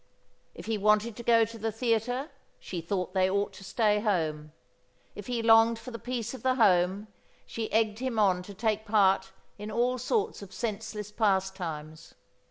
If he wanted to go to the theatre, she thought they ought to stay home; if he longed for the peace of the home, she egged him on to take part in all sorts of senseless pastimes.